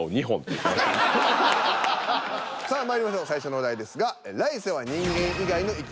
さあまいりましょう最初のお題ですが。